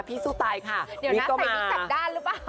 พี่สุตัยค่ะวิกก็มาเดี๋ยวนะใส่นิดสักด้านหรือเปล่า